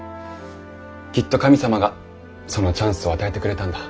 きっと神様がそのチャンスを与えてくれたんだ。